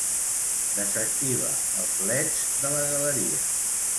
Desactiva els leds de la galeria.